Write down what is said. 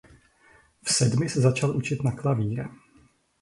V sedmi se začal učit na klavír.